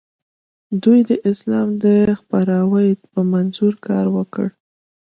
دوی د اسلام د خپراوي په منظور کار وکړ.